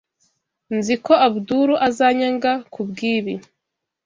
Nzi ko Abdul azanyanga kubwibi.